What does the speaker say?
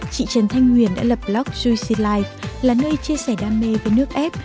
chị trần thanh nguyên đã lập blog juicy life là nơi chia sẻ đam mê với nước ép